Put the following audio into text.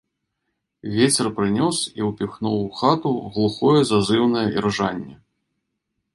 Вецер прынёс і ўпіхнуў у хату глухое зазыўнае іржанне.